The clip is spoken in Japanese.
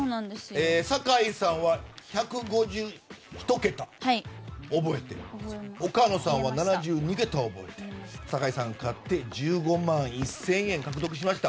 酒井さんは１５１桁覚えて岡野さんは７２桁を覚えて酒井さんが勝って１５万１０００円を獲得しました。